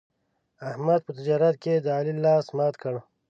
احمد په تجارت کې د علي لاس مات کړ.